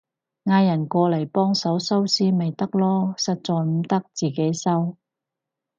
嗌人過嚟幫手收屍咪得囉，實在唔得自己收